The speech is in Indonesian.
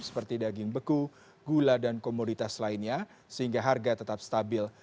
seperti daging beku gula dan komoditas lainnya sehingga harga tetap stabil